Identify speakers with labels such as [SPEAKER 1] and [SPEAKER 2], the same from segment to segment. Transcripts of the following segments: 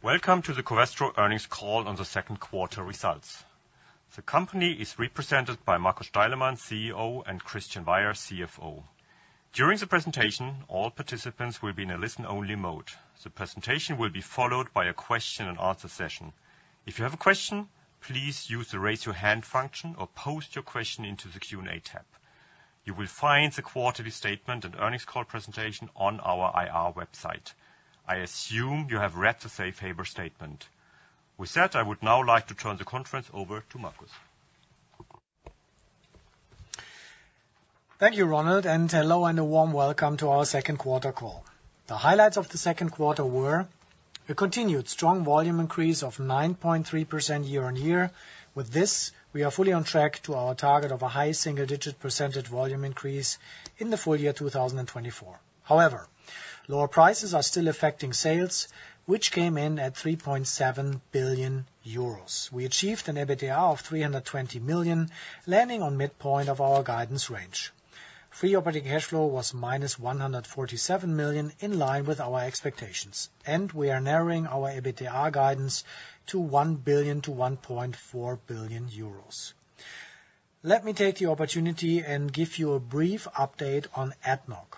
[SPEAKER 1] Welcome to the Covestro earnings call on the second quarter results. The company is represented by Markus Steilemann, CEO, and Christian Baier, CFO. During the presentation, all participants will be in a listen-only mode. The presentation will be followed by a question-and-answer session. If you have a question, please use the Raise Your Hand function or post your question into the Q&A tab. You will find the quarterly statement and earnings call presentation on our IR website. I assume you have read the safe harbor statement. With that, I would now like to turn the conference over to Markus.
[SPEAKER 2] Thank you, Ronald, and hello, and a warm welcome to our second quarter call. The highlights of the second quarter were: a continued strong volume increase of 9.3% year-on-year. With this, we are fully on track to our target of a high single-digit percentage volume increase in the full year 2024. However, lower prices are still affecting sales, which came in at 3.7 billion euros. We achieved an EBITDA of 320 million, landing on midpoint of our guidance range. Free operating cash flow was -147 million, in line with our expectations, and we are narrowing our EBITDA guidance to 1 billion-1.4 billion euros. Let me take the opportunity and give you a brief update on ADNOC.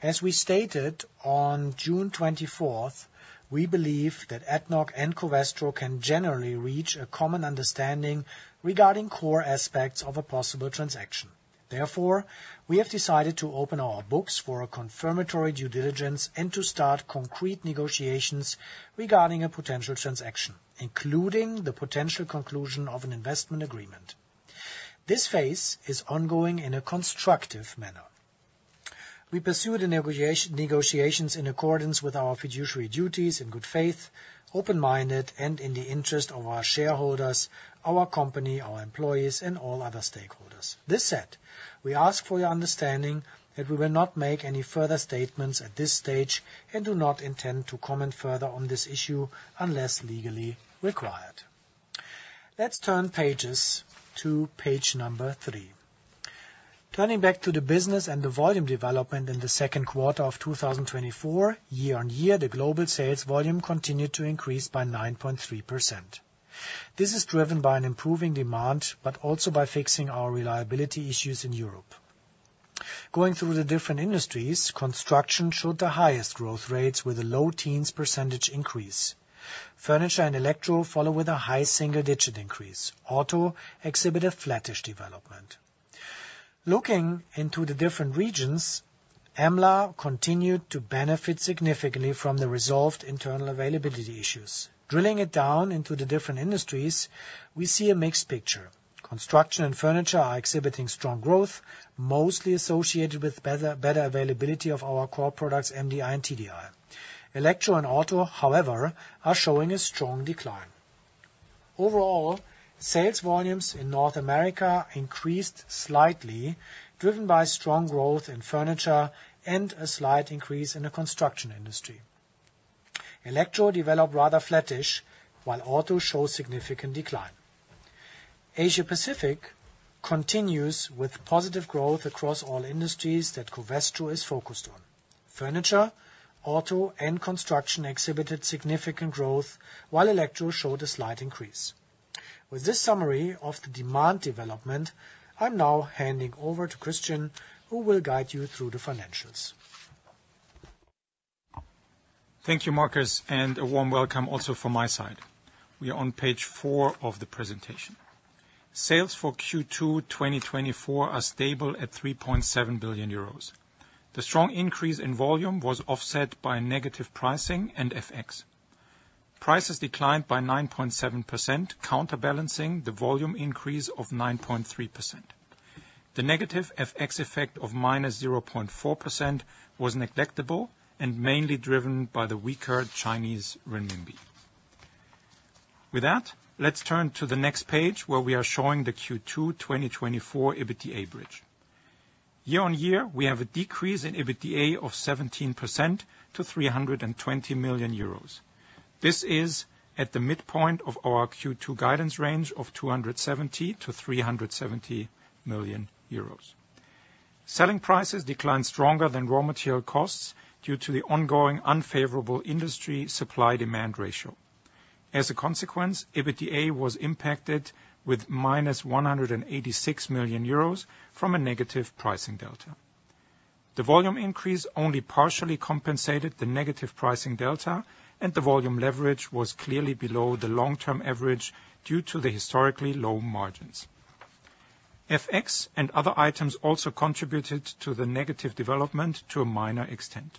[SPEAKER 2] As we stated on June twenty-fourth, we believe that ADNOC and Covestro can generally reach a common understanding regarding core aspects of a possible transaction. Therefore, we have decided to open our books for a confirmatory due diligence and to start concrete negotiations regarding a potential transaction, including the potential conclusion of an investment agreement. This phase is ongoing in a constructive manner. We pursue the negotiations in accordance with our fiduciary duties in good faith, open-minded, and in the interest of our shareholders, our company, our employees, and all other stakeholders. This said, we ask for your understanding that we will not make any further statements at this stage and do not intend to comment further on this issue, unless legally required. Let's turn pages to page three. Turning back to the business and the volume development in the second quarter of 2024, year-on-year, the global sales volume continued to increase by 9.3%. This is driven by an improving demand, but also by fixing our reliability issues in Europe. Going through the different industries, construction showed the highest growth rates, with a low teens % increase. Furniture and electro follow with a high single-digit % increase. Auto exhibit a flattish development. Looking into the different regions, EMLA continued to benefit significantly from the resolved internal availability issues. Drilling it down into the different industries, we see a mixed picture. Construction and furniture are exhibiting strong growth, mostly associated with better, better availability of our core products, MDI and TDI. Electro and auto, however, are showing a strong decline. Overall, sales volumes in North America increased slightly, driven by strong growth in furniture and a slight increase in the construction industry. Electro developed rather flattish, while auto showed significant decline. Asia Pacific continues with positive growth across all industries that Covestro is focused on. Furniture, auto, and construction exhibited significant growth, while electro showed a slight increase. With this summary of the demand development, I'm now handing over to Christian, who will guide you through the financials.
[SPEAKER 3] Thank you, Markus, and a warm welcome also from my side. We are on page 4 of the presentation. Sales for Q2 2024 are stable at 3.7 billion euros. The strong increase in volume was offset by negative pricing and FX. Prices declined by 9.7%, counterbalancing the volume increase of 9.3%. The negative FX effect of -0.4% was negligible and mainly driven by the weaker Chinese renminbi. With that, let's turn to the next page, where we are showing the Q2 2024 EBITDA bridge. Year-on-year, we have a decrease in EBITDA of 17% to 320 million euros. This is at the midpoint of our Q2 guidance range of 270 million-370 million euros. Selling prices declined stronger than raw material costs due to the ongoing unfavorable industry supply-demand ratio. As a consequence, EBITDA was impacted with -186 million euros from a negative pricing delta. The volume increase only partially compensated the negative pricing delta, and the volume leverage was clearly below the long-term average due to the historically low margins. FX and other items also contributed to the negative development to a minor extent.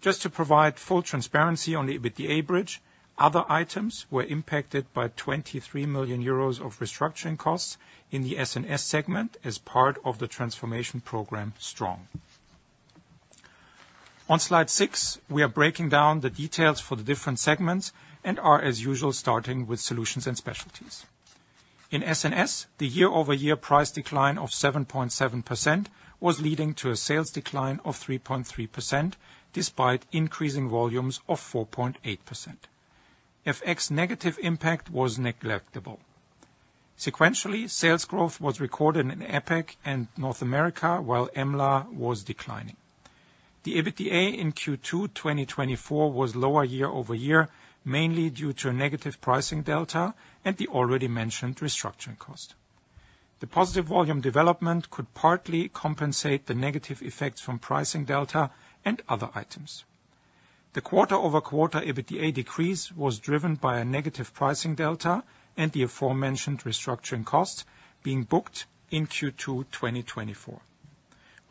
[SPEAKER 3] Just to provide full transparency on the EBITDA bridge, other items were impacted by 23 million euros of restructuring costs in the SNS segment as part of the transformation program, STRONG. On slide 6, we are breaking down the details for the different segments and are, as usual, starting with Solutions and Specialties. In SNS, the year-over-year price decline of 7.7% was leading to a sales decline of 3.3%, despite increasing volumes of 4.8%. FX negative impact was negligible. Sequentially, sales growth was recorded in APAC and North America, while EMLA was declining. The EBITDA in Q2 2024 was lower year-over-year, mainly due to a negative pricing delta and the already mentioned restructuring cost. The positive volume development could partly compensate the negative effects from pricing delta and other items. The quarter-over-quarter EBITDA decrease was driven by a negative pricing delta and the aforementioned restructuring costs being booked in Q2 2024.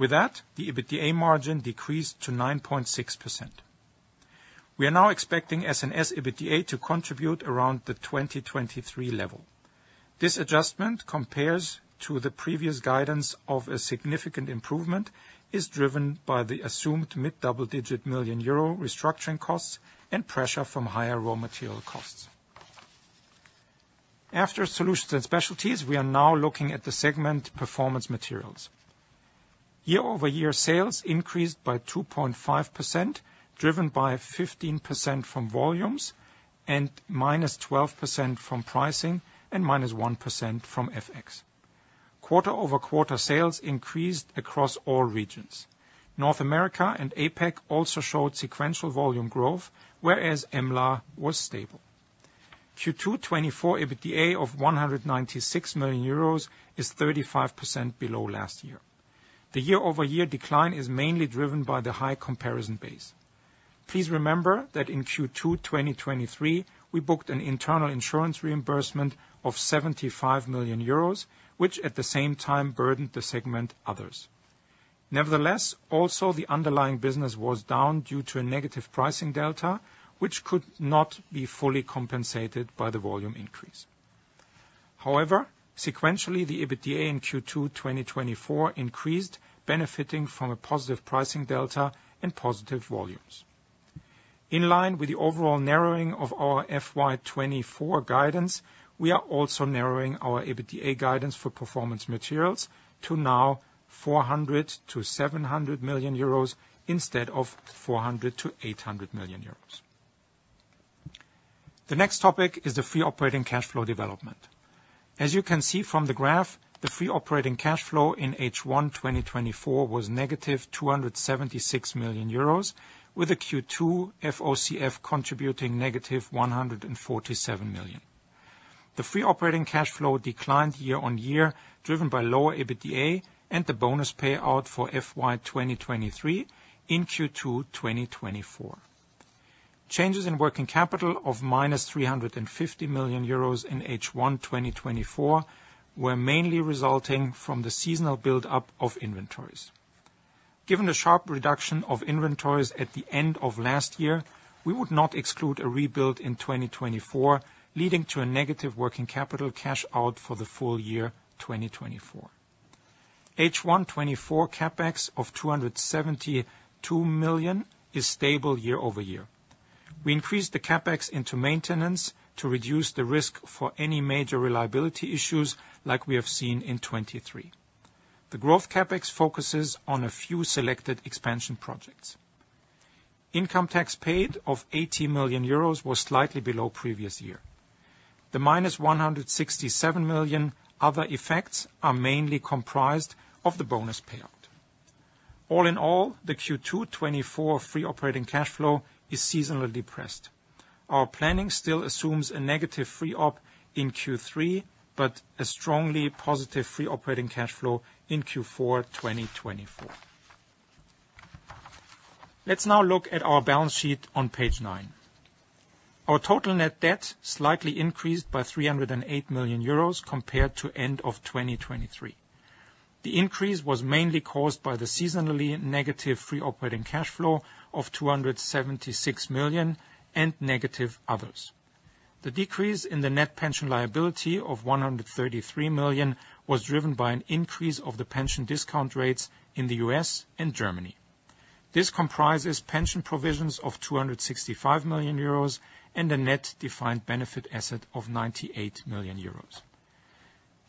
[SPEAKER 3] With that, the EBITDA margin decreased to 9.6%. We are now expecting SNS EBITDA to contribute around the 2023 level. This adjustment compares to the previous guidance of a significant improvement, is driven by the assumed mid-double-digit million EUR restructuring costs and pressure from higher raw material costs. After Solutions and Specialties, we are now looking at the segment Performance Materials. Year-over-year sales increased by 2.5%, driven by 15% from volumes and -12% from pricing, and -1% from FX. Quarter-over-quarter sales increased across all regions. North America and APAC also showed sequential volume growth, whereas EMLA was stable. Q2 2024 EBITDA of 196 million euros is 35% below last year. The year-over-year decline is mainly driven by the high comparison base. Please remember that in Q2 2023, we booked an internal insurance reimbursement of 75 million euros, which, at the same time, burdened the segment Others. Nevertheless, also the underlying business was down due to a negative pricing delta, which could not be fully compensated by the volume increase. However, sequentially, the EBITDA in Q2 2024 increased, benefiting from a positive pricing delta and positive volumes. In line with the overall narrowing of our FY 2024 guidance, we are also narrowing our EBITDA guidance for performance materials to now 400 million-700 million euros, instead of 400 million-800 million euros. The next topic is the free operating cash flow development. As you can see from the graph, the free operating cash flow in H1 2024 was negative 276 million euros, with a Q2 FOCF contributing negative 147 million. The free operating cash flow declined year-on-year, driven by lower EBITDA and the bonus payout for FY 2023 in Q2 2024. Changes in working capital of minus 350 million euros in H1 2024 were mainly resulting from the seasonal build-up of inventories. Given the sharp reduction of inventories at the end of last year, we would not exclude a rebuild in 2024, leading to a negative working capital cash-out for the full year 2024. H1 2024 CapEx of 272 million is stable year-over-year. We increased the CapEx into maintenance to reduce the risk for any major reliability issues, like we have seen in 2023. The growth CapEx focuses on a few selected expansion projects. Income tax paid of 80 million euros was slightly below previous year. The -167 million other effects are mainly comprised of the bonus payout. All in all, the Q2 2024 free operating cash flow is seasonally depressed. Our planning still assumes a negative free op in Q3, but a strongly positive free operating cash flow in Q4 2024. Let's now look at our balance sheet on page nine. Our total net debt slightly increased by 308 million euros, compared to end of 2023. The increase was mainly caused by the seasonally negative free operating cash flow of 276 million, and negative others. The decrease in the net pension liability of 133 million was driven by an increase of the pension discount rates in the U.S. and Germany. This comprises pension provisions of 265 million euros, and a net defined benefit asset of 98 million euros.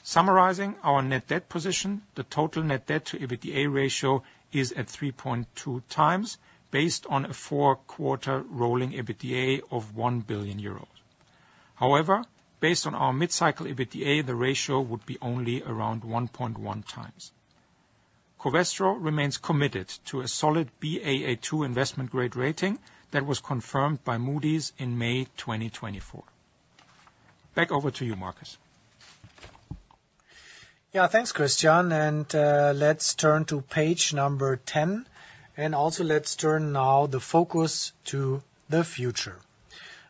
[SPEAKER 3] Summarizing our net debt position, the total net debt to EBITDA ratio is at 3.2x, based on a four-quarter rolling EBITDA of 1 billion euros. However, based on our mid-cycle EBITDA, the ratio would be only around 1.1x. Covestro remains committed to a solid Baa2 investment grade rating that was confirmed by Moody's in May 2024. Back over to you, Markus.
[SPEAKER 2] Yeah, thanks, Christian, and let's turn to page number 10, and also let's turn now the focus to the future.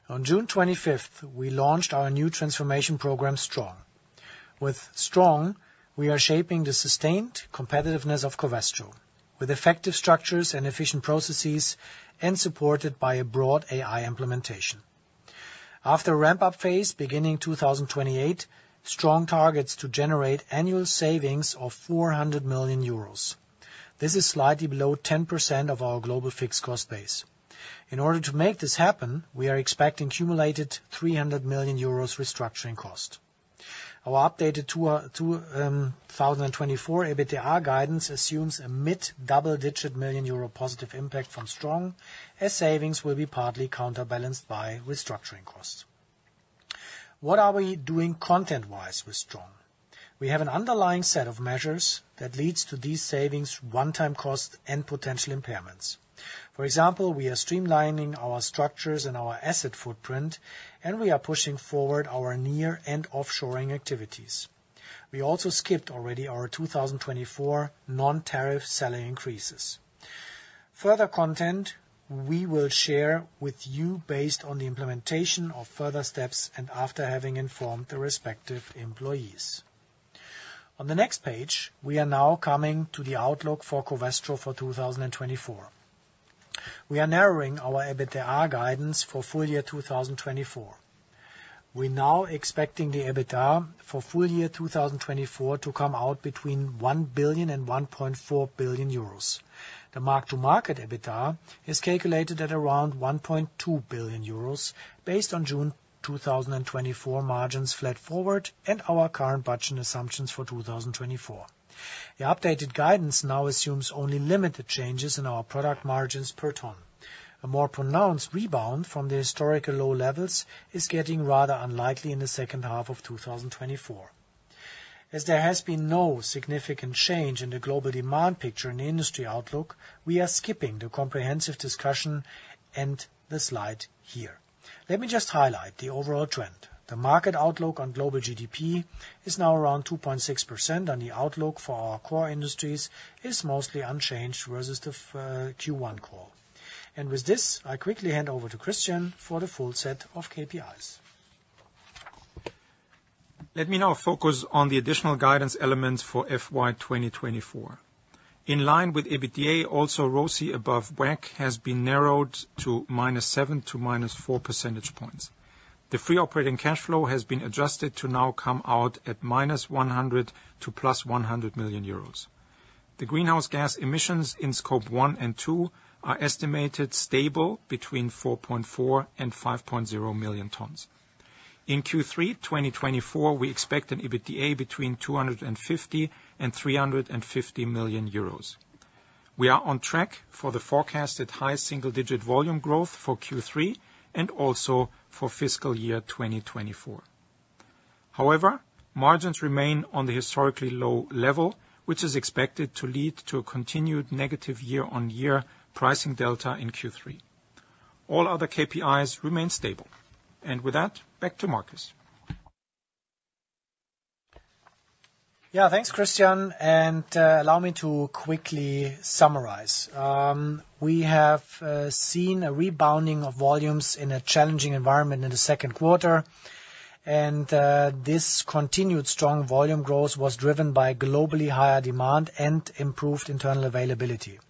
[SPEAKER 2] On June 25, we launched our new transformation program, STRONG. With STRONG, we are shaping the sustained competitiveness of Covestro, with effective structures and efficient processes, and supported by a broad AI implementation. After a ramp-up phase, beginning 2028, STRONG targets to generate annual savings of 400 million euros. This is slightly below 10% of our global fixed cost base. In order to make this happen, we are expecting cumulative 300 million euros restructuring cost. Our updated 2024 EBITDA guidance assumes a mid-double digit million EUR positive impact from STRONG, as savings will be partly counterbalanced by restructuring costs. What are we doing content-wise with STRONG? We have an underlying set of measures that leads to these savings, one-time costs, and potential impairments. For example, we are streamlining our structures and our asset footprint, and we are pushing forward our near and offshoring activities. We also skipped already our 2024 non-tariff salary increases. Further content, we will share with you based on the implementation of further steps and after having informed the respective employees. On the next page, we are now coming to the outlook for Covestro for 2024. We are narrowing our EBITDA guidance for full year 2024. We're now expecting the EBITDA for full year 2024 to come out between 1 billion and 1.4 billion euros. The mark-to-market EBITDA is calculated at around 1.2 billion euros, based on June 2024 margins flat forward and our current budget assumptions for 2024. The updated guidance now assumes only limited changes in our product margins per ton. A more pronounced rebound from the historical low levels is getting rather unlikely in the second half of 2024. As there has been no significant change in the global demand picture in the industry outlook, we are skipping the comprehensive discussion and the slide here. Let me just highlight the overall trend. The market outlook on global GDP is now around 2.6%, and the outlook for our core industries is mostly unchanged versus the Q1 call. And with this, I quickly hand over to Christian for the full set of KPIs.
[SPEAKER 3] Let me now focus on the additional guidance elements for FY 2024. In line with EBITDA, also, ROCE above WACC has been narrowed to -7 to -4 percentage points. The free operating cash flow has been adjusted to now come out at -100 million euros to +EUR 100 million. The greenhouse gas emissions in Scope 1 and 2 are estimated stable between 4.4 and 5.0 million tons. In Q3 2024, we expect an EBITDA between 250-350 million euros. We are on track for the forecasted high single-digit volume growth for Q3 and also for fiscal year 2024. However, margins remain on the historically low level, which is expected to lead to a continued negative year-on-year pricing delta in Q3. All other KPIs remain stable. With that, back to Markus.
[SPEAKER 2] Yeah, thanks, Christian, and allow me to quickly summarize. We have seen a rebounding of volumes in a challenging environment in the second quarter, and this continued strong volume growth was driven by globally higher demand and improved internal availability.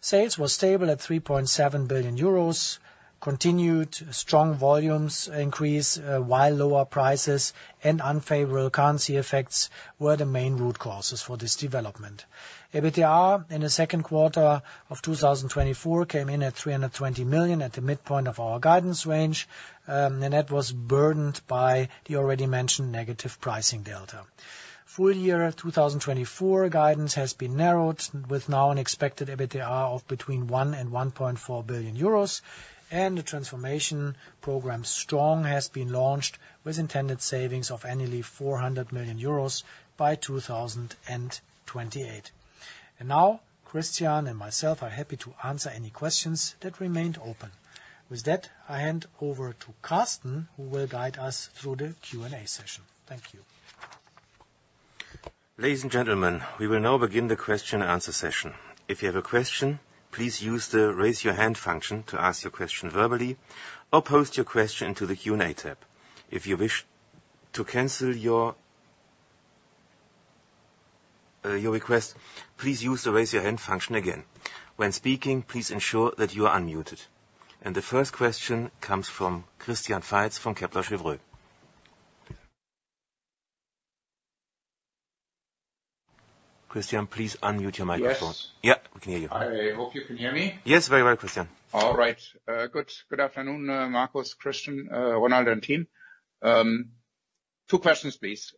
[SPEAKER 2] Sales was stable at 3.7 billion euros, continued strong volumes increase, while lower prices and unfavorable currency effects were the main root causes for this development. EBITDA, in the second quarter of 2024, came in at 320 million at the midpoint of our guidance range, and that was burdened by the already mentioned negative pricing delta. Full year 2024 guidance has been narrowed, with now an expected EBITDA of between 1 billion and 1.4 billion euros, and the transformation program, STRONG, has been launched, with intended savings of annually 400 million euros by 2028. Now, Christian and myself are happy to answer any questions that remained open. With that, I hand over to Carsten, who will guide us through the Q&A session. Thank you.
[SPEAKER 4] Ladies and gentlemen, we will now begin the question and answer session. If you have a question, please use the Raise Your Hand function to ask your question verbally, or post your question to the Q&A tab. If you wish to cancel your request, please use the Raise Your Hand function again. When speaking, please ensure that you are unmuted. The first question comes from Christian Faitz from Kepler Cheuvreux. Christian, please unmute your microphone. Yes. Yeah, we can hear you.
[SPEAKER 5] I hope you can hear me?
[SPEAKER 2] Yes, very well, Christian.
[SPEAKER 5] All right. Good, good afternoon, Markus, Christian, Ronald, and team. Two questions, please.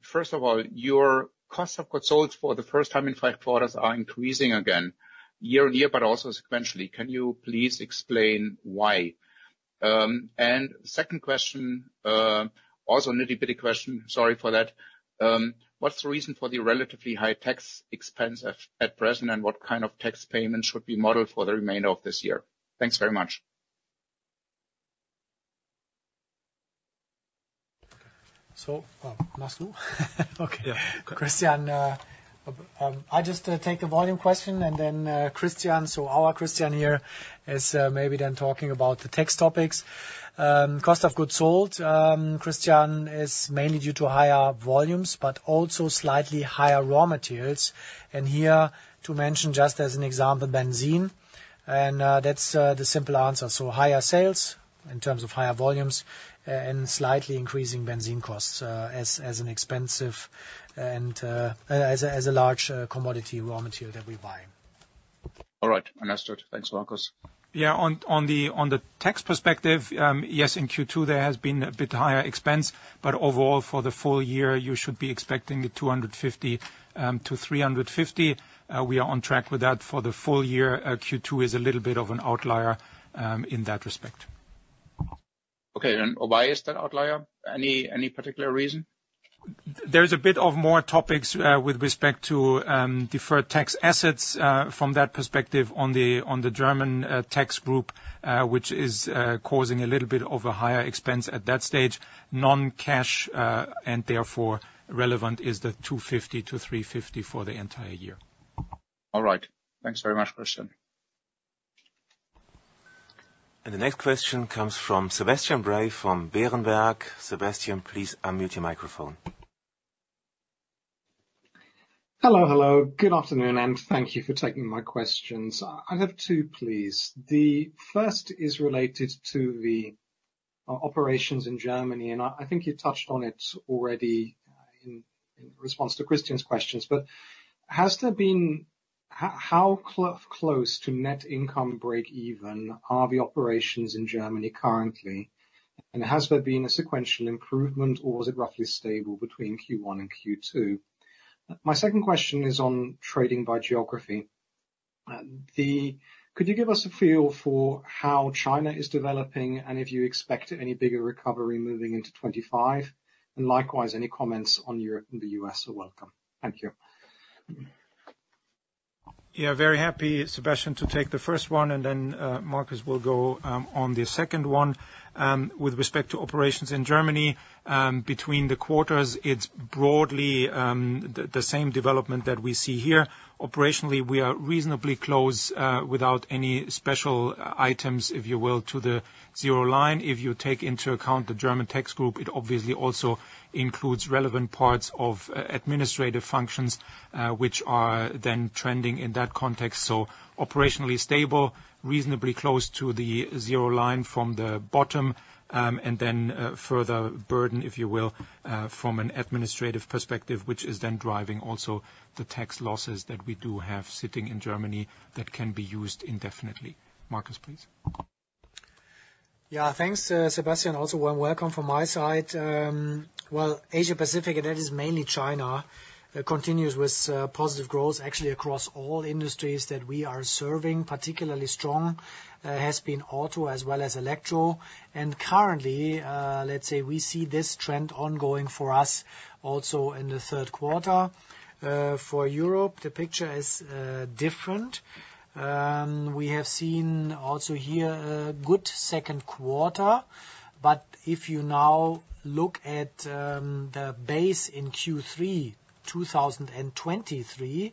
[SPEAKER 5] First of all, your cost of goods sold for the first time in five quarters are increasing again, year-on-year, but also sequentially. Can you please explain why? And second question, also a nitty-gritty question, sorry for that. What's the reason for the relatively high tax expense at present, and what kind of tax payments should we model for the remainder of this year? Thanks very much.
[SPEAKER 2] Must you? Okay.
[SPEAKER 3] Yeah.
[SPEAKER 2] Christian, I'll just take the volume question, and then, Christian, so our Christian here is maybe then talking about the tax topics. Cost of goods sold, Christian, is mainly due to higher volumes, but also slightly higher raw materials. And here, to mention just as an example, benzene, and that's the simple answer. So higher sales in terms of higher volumes and slightly increasing benzene costs as an expensive and as a large commodity raw material that we buy.
[SPEAKER 5] All right. Understood. Thanks, Markus.
[SPEAKER 3] Yeah, on the tax perspective, yes, in Q2, there has been a bit higher expense. But overall, for the full year, you should be expecting a 250-350. We are on track with that for the full year. Q2 is a little bit of an outlier in that respect.
[SPEAKER 5] Okay. Why is that outlier? Any particular reason?
[SPEAKER 3] There's a bit of more topics with respect to deferred tax assets from that perspective on the German tax group, which is causing a little bit of a higher expense at that stage. Non-cash and therefore relevant is the 250-350 for the entire year.
[SPEAKER 5] All right. Thanks very much, Christian.
[SPEAKER 4] The next question comes from Sebastian Bray from Berenberg. Sebastian, please unmute your microphone.
[SPEAKER 6] Hello, hello. Good afternoon, and thank you for taking my questions. I have two, please. The first is related to the operations in Germany, and I think you touched on it already in response to Christian's questions. But how close to net income break even are the operations in Germany currently? And has there been a sequential improvement, or was it roughly stable between Q1 and Q2? My second question is on trading by geography. Could you give us a feel for how China is developing, and if you expect any bigger recovery moving into 2025? And likewise, any comments on Europe and the U.S. are welcome. Thank you.
[SPEAKER 3] Yeah, very happy, Sebastian, to take the first one, and then, Markus will go, on the second one. With respect to operations in Germany, between the quarters, it's broadly, the same development that we see here. Operationally, we are reasonably close, without any special items, if you will, to the zero line. If you take into account the German tax group, it obviously also includes relevant parts of, administrative functions, which are then trending in that context. So operationally stable, reasonably close to the zero line from the bottom, and then, further burden, if you will, from an administrative perspective, which is then driving also the tax losses that we do have sitting in Germany that can be used indefinitely. Markus, please.
[SPEAKER 2] Yeah, thanks, Sebastian. Also, well, welcome from my side. Well, Asia Pacific, and that is mainly China, continues with positive growth, actually across all industries that we are serving. Particularly strong has been auto as well as electro. And currently, let's say we see this trend ongoing for us also in the third quarter. For Europe, the picture is different. We have seen also here a good second quarter, but if you now look at the base in Q3 2023,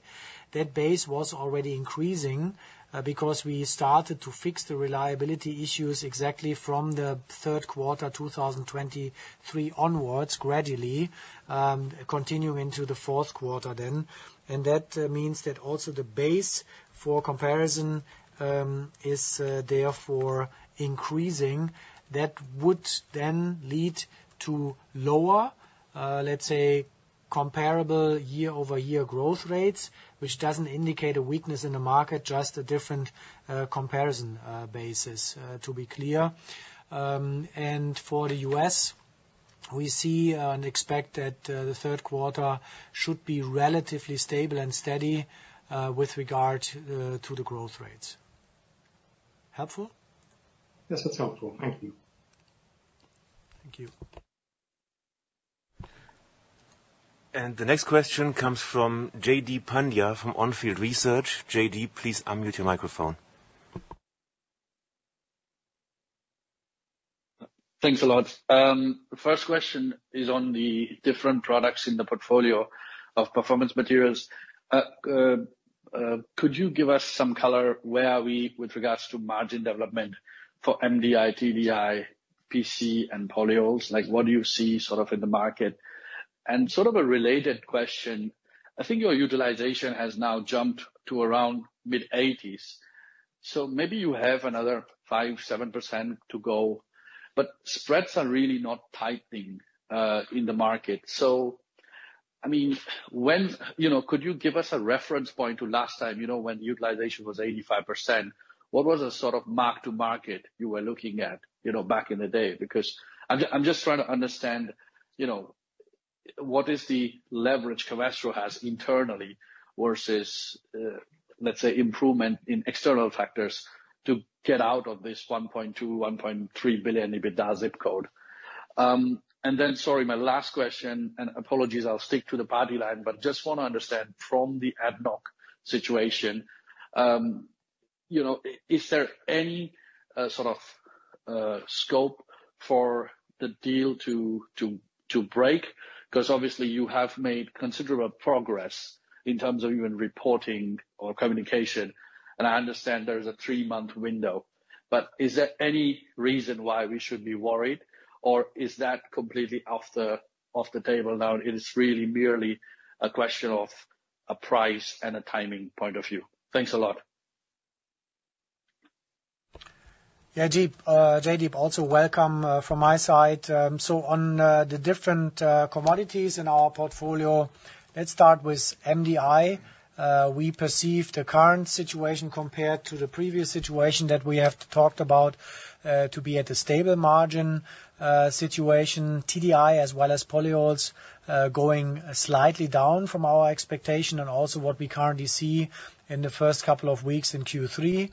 [SPEAKER 2] that base was already increasing because we started to fix the reliability issues exactly from the third quarter 2023 onwards, gradually continuing to the fourth quarter then. And that means that also the base for comparison is therefore increasing. That would then lead to lower, let's say, comparable year-over-year growth rates, which doesn't indicate a weakness in the market, just a different comparison basis, to be clear. For the U.S., we see and expect that the third quarter should be relatively stable and steady with regard to the growth rates. Helpful?
[SPEAKER 6] Yes, that's helpful. Thank you.
[SPEAKER 2] Thank you.
[SPEAKER 4] The next question comes from Jaideep Pandya from On Field Research. Jaideep, please unmute your microphone.
[SPEAKER 7] Thanks a lot. The first question is on the different products in the portfolio of performance materials. Could you give us some color, where are we with regards to margin development for MDI, TDI, PC, and polyols? Like, what do you see sort of in the market? And sort of a related question: I think your utilization has now jumped to around mid-80s%, so maybe you have another 5%-7% to go, but spreads are really not tightening in the market. So, I mean, when... You know, could you give us a reference point to last time, you know, when utilization was 85%, what was the sort of mark to market you were looking at, you know, back in the day? Because I'm just trying to understand, you know, what is the leverage Covestro has internally versus, let's say, improvement in external factors to get out of this 1.2 billion-1.3 billion EBITDA zip code. And then, sorry, my last question, and apologies, I'll stick to the party line, but just want to understand from the ADNOC situation, you know, is there any sort of scope for the deal to break? Because obviously you have made considerable progress in terms of even reporting or communication, and I understand there is a three-month window. But is there any reason why we should be worried, or is that completely off the table now, and it's really merely a question of a price and a timing point of view? Thanks a lot. ...
[SPEAKER 2] Yeah, Jaideep, also welcome from my side. So on the different commodities in our portfolio, let's start with MDI. We perceive the current situation compared to the previous situation that we have talked about to be at a stable margin situation. TDI, as well as polyols, going slightly down from our expectation, and also what we currently see in the first couple of weeks in Q3.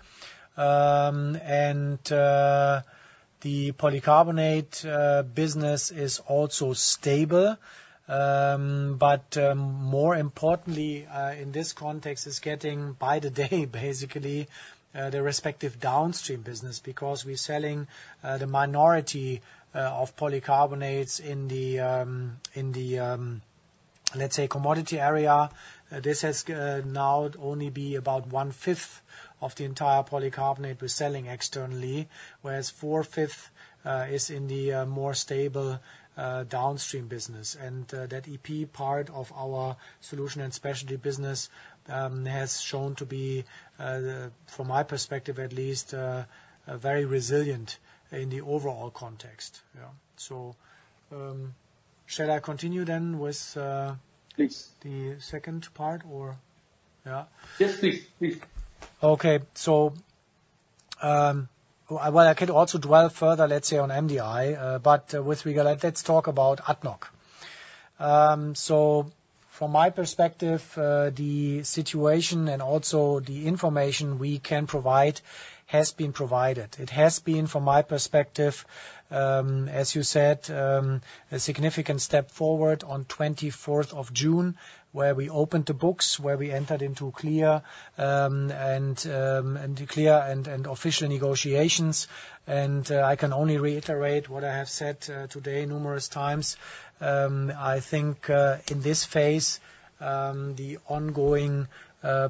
[SPEAKER 2] And the polycarbonate business is also stable. But more importantly, in this context, is getting by the day basically the respective downstream business. Because we're selling the minority of polycarbonates in the, let's say, commodity area. This has now only be about 1/5 of the entire polycarbonate we're selling externally. Whereas four-fifths is in the more stable downstream business. And that EP part of our solution and specialty business has shown to be from my perspective at least a very resilient in the overall context. Yeah. So shall I continue then with-
[SPEAKER 7] Please.
[SPEAKER 2] the second part or... Yeah?
[SPEAKER 7] Yes, please. Please.
[SPEAKER 2] Okay. So, well, I could also dwell further, let's say, on MDI, but with regard, let's talk about ADNOC. So from my perspective, the situation and also the information we can provide has been provided. It has been, from my perspective, as you said, a significant step forward on the twenty-fourth of June, where we opened the books, where we entered into clear and official negotiations. And I can only reiterate what I have said, today numerous times. I think, in this phase, the ongoing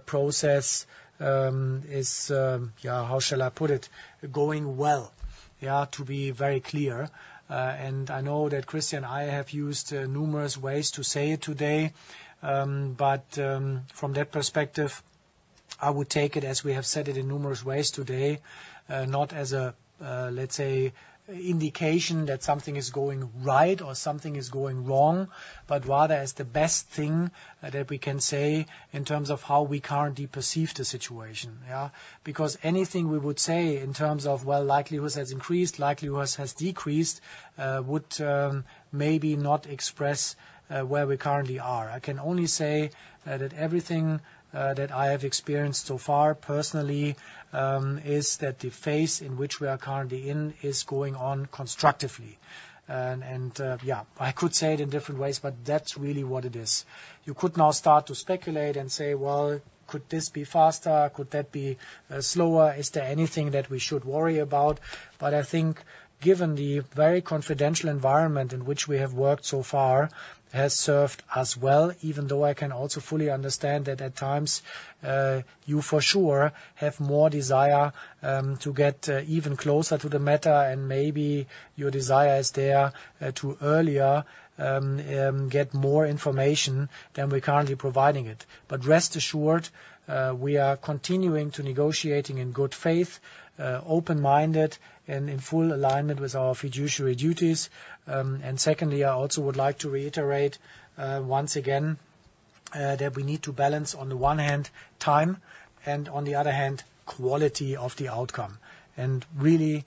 [SPEAKER 2] process is, yeah, how shall I put it? Going well. Yeah, to be very clear, and I know that Christian and I have used numerous ways to say it today. But from that perspective, I would take it, as we have said it in numerous ways today, not as a, let's say, indication that something is going right or something is going wrong, but rather as the best thing that we can say in terms of how we currently perceive the situation, yeah. Because anything we would say in terms of, well, likelihood has increased, likelihood has decreased, would maybe not express where we currently are. I can only say that everything that I have experienced so far personally is that the phase in which we are currently in is going on constructively. And yeah, I could say it in different ways, but that's really what it is. You could now start to speculate and say: Well, could this be faster? Could that be slower? Is there anything that we should worry about? But I think given the very confidential environment in which we have worked so far, has served us well, even though I can also fully understand that at times, you for sure have more desire to get even closer to the matter, and maybe your desire is there to earlier get more information than we're currently providing it. But rest assured, we are continuing to negotiating in good faith, open-minded and in full alignment with our fiduciary duties. And secondly, I also would like to reiterate once again that we need to balance, on the one hand, time, and on the other hand, quality of the outcome. And really,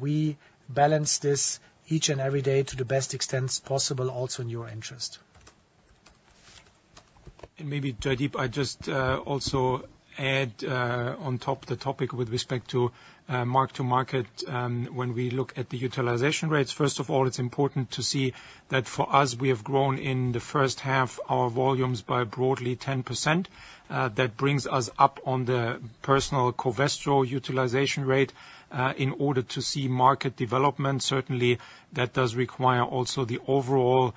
[SPEAKER 2] we balance this each and every day to the best extent possible, also in your interest.
[SPEAKER 3] Maybe, Jaideep, I just also add on top of the topic with respect to mark to market. When we look at the utilization rates, first of all, it's important to see that for us, we have grown in the first half our volumes by broadly 10%. That brings us up on the overall Covestro utilization rate in order to see market development. Certainly, that does require also the overall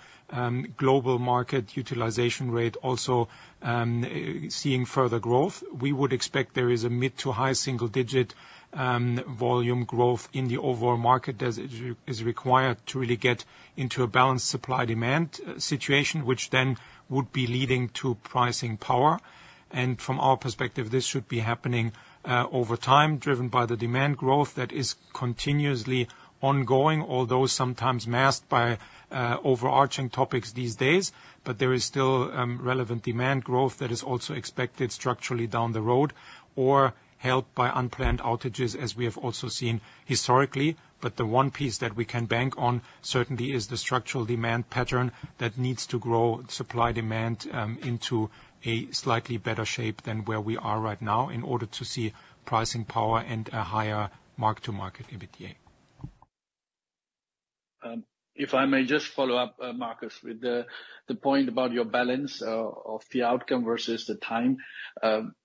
[SPEAKER 3] global market utilization rate also seeing further growth. We would expect there is a mid- to high-single-digit volume growth in the overall market, as is required to really get into a balanced supply-demand situation, which then would be leading to pricing power. From our perspective, this should be happening over time, driven by the demand growth that is continuously ongoing, although sometimes masked by overarching topics these days. There is still relevant demand growth that is also expected structurally down the road, or helped by unplanned outages, as we have also seen historically. The one piece that we can bank on, certainly is the structural demand pattern that needs to grow supply-demand into a slightly better shape than where we are right now, in order to see pricing power and a higher mark-to-market EBITDA.
[SPEAKER 7] If I may just follow up, Markus, with the point about your balance of the outcome versus the time.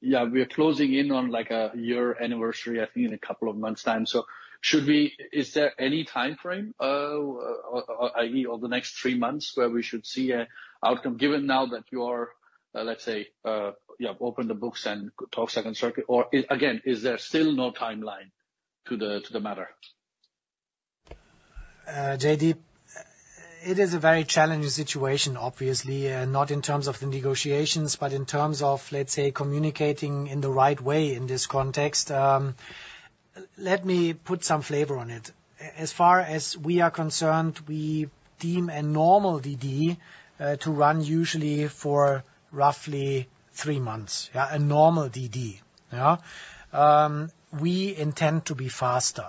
[SPEAKER 7] Yeah, we are closing in on, like, a year anniversary, I think, in a couple of months' time. So should we... Is there any timeframe, i.e., over the next three months, where we should see an outcome, given now that you are, let's say, yeah, opened the books and talk second circuit? Or again, is there still no timeline to the matter?...
[SPEAKER 2] Jaydeep, it is a very challenging situation, obviously, not in terms of the negotiations, but in terms of, let's say, communicating in the right way in this context. Let me put some flavor on it. As far as we are concerned, we deem a normal DD to run usually for roughly three months. Yeah, a normal DD, yeah? We intend to be faster.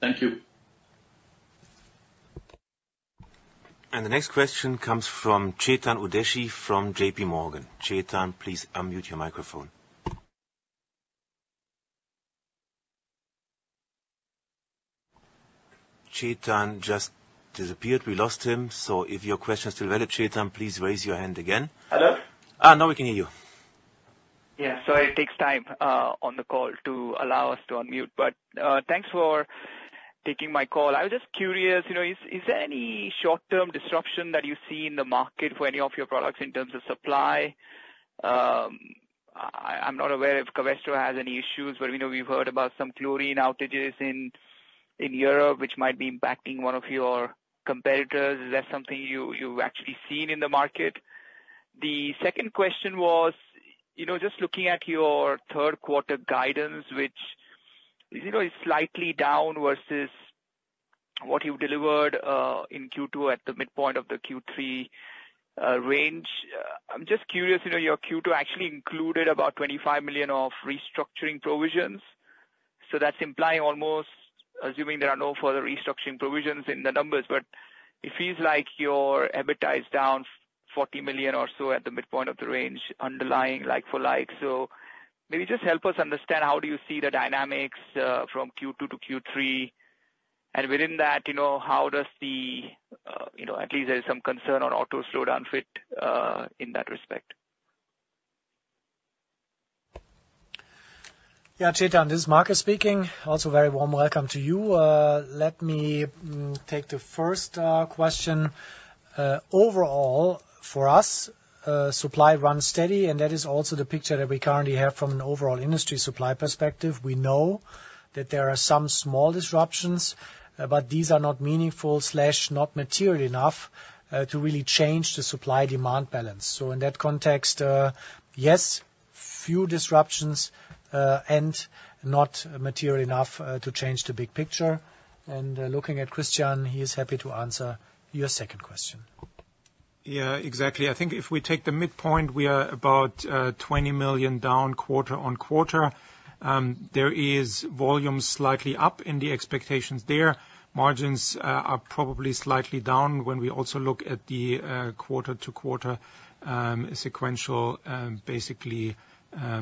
[SPEAKER 7] Thank you.
[SPEAKER 4] The next question comes from Chetan Udeshi from JPMorgan. Chetan, please unmute your microphone. Chetan just disappeared. We lost him, so if your question is still valid, Chetan, please raise your hand again.
[SPEAKER 8] Hello?
[SPEAKER 2] Ah, now we can hear you.
[SPEAKER 8] Yeah. Sorry, it takes time on the call to allow us to unmute. But thanks for taking my call. I was just curious, you know, is there any short-term disruption that you see in the market for any of your products in terms of supply? I'm not aware if Covestro has any issues, but you know, we've heard about some chlorine outages in Europe, which might be impacting one of your competitors. Is that something you've actually seen in the market? The second question was, you know, just looking at your third quarter guidance, which you know is slightly down versus what you've delivered in Q2 at the midpoint of the Q3 range. I'm just curious, you know, your Q2 actually included about 25 million of restructuring provisions, so that's implying almost... Assuming there are no further restructuring provisions in the numbers, but it feels like your EBITDA is down 40 million or so at the midpoint of the range, underlying like for like. So maybe just help us understand how you see the dynamics from Q2 to Q3? And within that, you know, how does the, you know, at least there's some concern on auto slowdown fit in that respect?
[SPEAKER 2] Yeah, Chetan, this is Markus speaking. Also, very warm welcome to you. Let me take the first question. Overall, for us, supply runs steady, and that is also the picture that we currently have from an overall industry supply perspective. We know that there are some small disruptions, but these are not meaningful slash not material enough to really change the supply-demand balance. So in that context, yes, few disruptions, and not material enough to change the big picture. Looking at Christian, he is happy to answer your second question.
[SPEAKER 3] Yeah, exactly. I think if we take the midpoint, we are about 20 million down quarter-on-quarter. There is volume slightly up in the expectations there. Margins are probably slightly down when we also look at the quarter-to-quarter sequential basically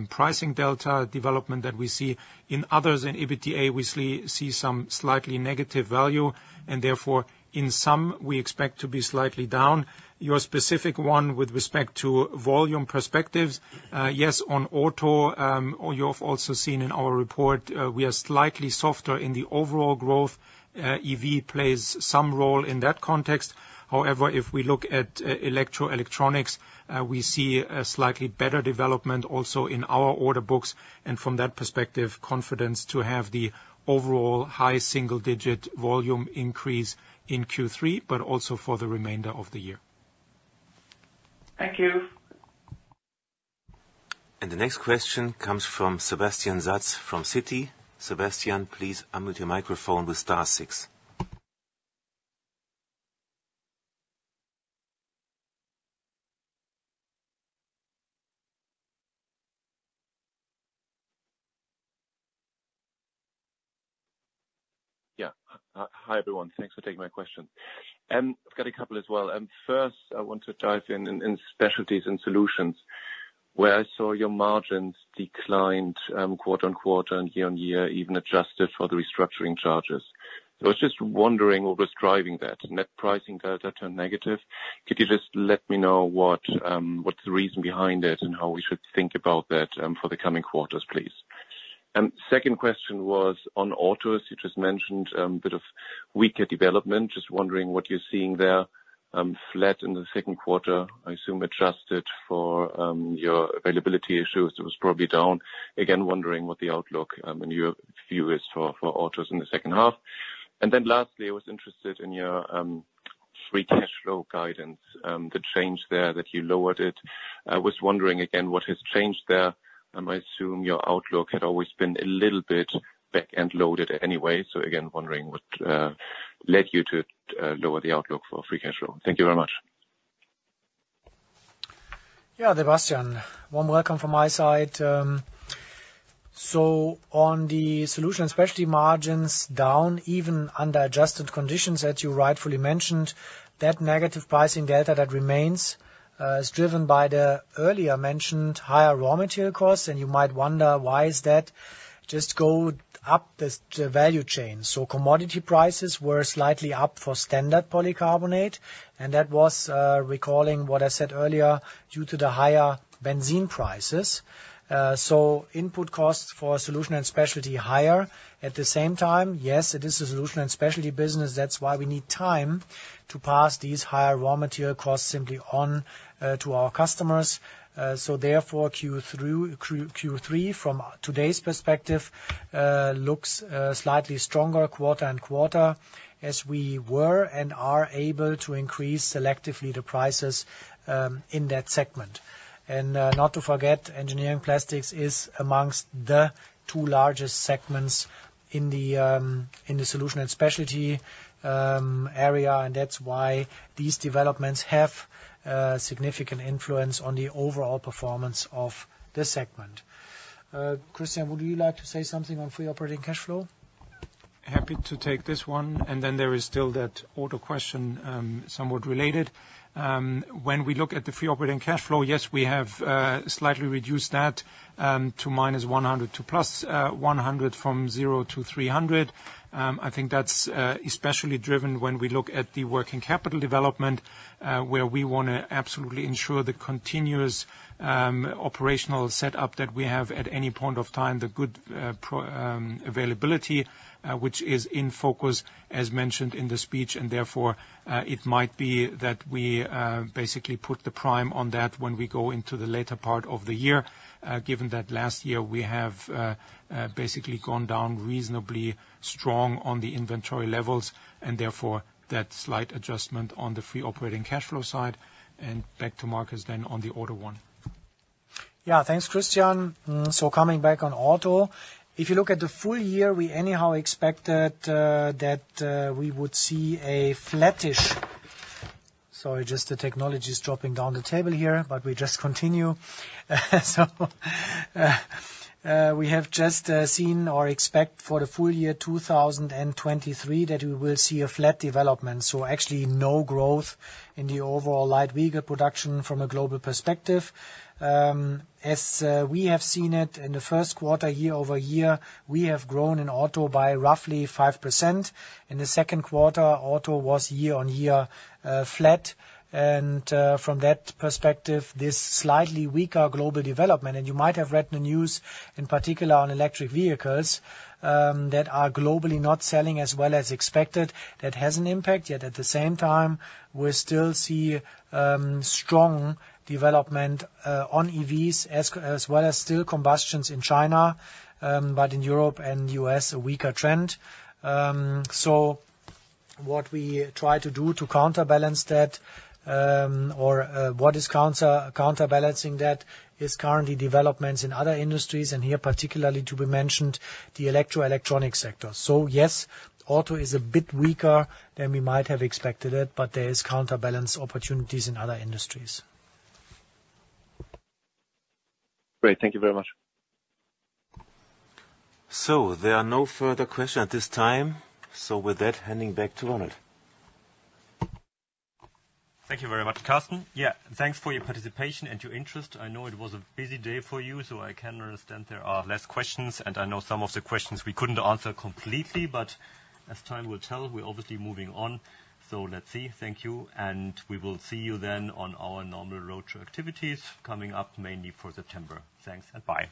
[SPEAKER 3] pricing delta development that we see. In others, in EBITDA, we see some slightly negative value, and therefore, in sum, we expect to be slightly down. Your specific one with respect to volume perspectives, yes, on auto, you have also seen in our report, we are slightly softer in the overall growth. EV plays some role in that context. However, if we look at electro electronics, we see a slightly better development also in our order books, and from that perspective, confidence to have the overall high single-digit volume increase in Q3, but also for the remainder of the year.
[SPEAKER 8] Thank you.
[SPEAKER 4] The next question comes from Sebastian Satz from Citi. Sebastian, please unmute your microphone with star six.
[SPEAKER 9] Yeah. Hi, everyone. Thanks for taking my question. I've got a couple as well. First, I want to dive in specialties and solutions, where I saw your margins declined, quarter-over-quarter and year-over-year, even adjusted for the restructuring charges. So I was just wondering what was driving that. Net pricing delta turned negative. Could you just let me know what, what's the reason behind it, and how we should think about that, for the coming quarters, please? Second question was on autos. You just mentioned, a bit of weaker development. Just wondering what you're seeing there. Flat in the second quarter, I assume, adjusted for, your availability issues, it was probably down. Again, wondering what the outlook, and your view is for autos in the second half. And then lastly, I was interested in your free cash flow guidance, the change there, that you lowered it. I was wondering again, what has changed there? I might assume your outlook had always been a little bit back-end loaded anyway, so again, wondering what led you to lower the outlook for free cash flow. Thank you very much.
[SPEAKER 2] Yeah, Sebastian, warm welcome from my side. So on the solution, especially margins down, even under adjusted conditions, as you rightfully mentioned, that negative pricing delta that remains is driven by the earlier mentioned higher raw material costs. And you might wonder, why is that? Just go up the value chain. So commodity prices were slightly up for standard polycarbonate, and that was, recalling what I said earlier, due to the higher benzene prices. So input costs for our solution and specialty, higher. At the same time, yes, it is a solution and specialty business. That's why we need time to pass these higher raw material costs simply on to our customers. So therefore, Q3, from today's perspective, looks slightly stronger quarter-over-quarter, as we were and are able to increase selectively the prices in that segment. Not to forget, engineering plastics is among the two largest segments in the solution and specialty area, and that's why these developments have significant influence on the overall performance of this segment. Christian, would you like to say something on free operating cash flow?...
[SPEAKER 3] Happy to take this one, and then there is still that auto question, somewhat related. When we look at the free operating cash flow, yes, we have slightly reduced that to -100 million to +100 million from 0 million to 300 million. I think that's especially driven when we look at the working capital development, where we wanna absolutely ensure the continuous operational setup that we have at any point of time, the good proper availability, which is in focus, as mentioned in the speech. And therefore, it might be that we basically put the prime on that when we go into the later part of the year, given that last year we have basically gone down reasonably strong on the inventory levels, and therefore, that slight adjustment on the free operating cash flow side. And back to Markus then on the auto one.
[SPEAKER 2] Yeah, thanks, Christian. So coming back on auto, if you look at the full year, we anyhow expected, that, we would see a flattish-- Sorry, just the technology is dropping down the table here, but we just continue. So, we have just, seen or expect for the full year 2023, that we will see a flat development, so actually no growth in the overall light vehicle production from a global perspective. As, we have seen it in the first quarter, year-over-year, we have grown in auto by roughly 5%. In the second quarter, auto was year-over-year, flat, and, from that perspective, this slightly weaker global development, and you might have read the news, in particular on electric vehicles, that are globally not selling as well as expected. That has an impact, yet at the same time, we still see strong development on EVs, as well as still combustions in China, but in Europe and US, a weaker trend. So what we try to do to counterbalance that, or what is counterbalancing that is currently developments in other industries, and here, particularly to be mentioned, the electro-electronic sector. So yes, auto is a bit weaker than we might have expected it, but there is counterbalance opportunities in other industries.
[SPEAKER 9] Great. Thank you very much.
[SPEAKER 4] There are no further questions at this time. With that, handing back to Ronald.
[SPEAKER 1] Thank you very much, Carsten. Yeah, thanks for your participation and your interest. I know it was a busy day for you, so I can understand there are less questions, and I know some of the questions we couldn't answer completely, but as time will tell, we're obviously moving on. So let's see. Thank you, and we will see you then on our normal roadshow activities coming up mainly for September. Thanks, and bye.